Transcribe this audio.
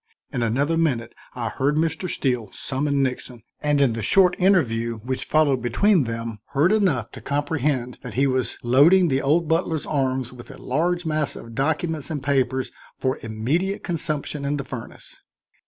In another minute I heard Mr. Steele summon Nixon, and in the short interview which followed between them heard enough to comprehend that he was loading the old butler's arms with a large mass of documents and papers for immediate consumption in the furnace.